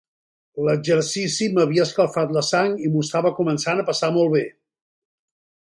L'exercici m'havia escalfat la sang i m'ho estava començant a passar molt bé.